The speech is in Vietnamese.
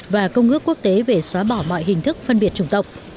và công ước quốc tế về xóa bỏ mọi hình thức phân biệt chủng tộc